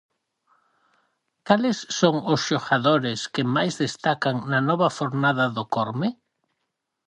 Cales son os xogadores que máis destacan na nova fornada do Corme?